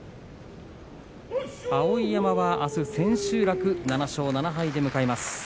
碧山はあす千秋楽７勝７敗で迎えます。